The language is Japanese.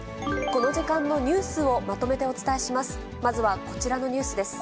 この時間のニュースをまとめてお伝えします。